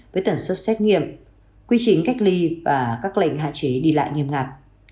với tần suất xét nghiệm quy trình cách ly và các lệnh hạn chế đi lại nghiêm ngặt